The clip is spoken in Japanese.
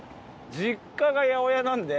実家が八百屋なんで。